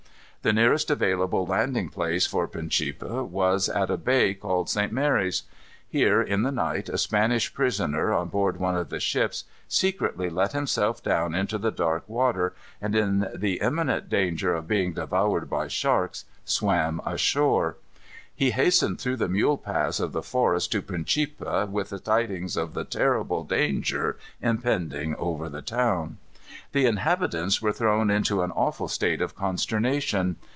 The nearest available landing place, for Principe, was at a bay called St. Mary's. Here, in the night, a Spanish prisoner, on board one of the ships, secretly let himself down into the dark water, and, at the imminent danger of being devoured by sharks, swam ashore. He hastened through the mule paths of the forest to Principe, with the tidings of the terrible danger impending over the town. The inhabitants were thrown into an awful state of consternation.